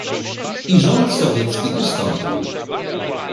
"I rząd sowiecki ustąpił."